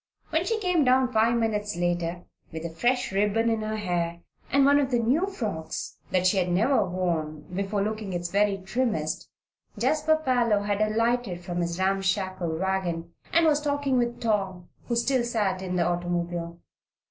When she came down five minutes later, with a fresh ribbon in her hair and one of the new frocks that she had never worn before looking its very trimmest, Jasper Parloe had alighted from his ramshackle wagon and was talking with Tom, who still sat in the automobile.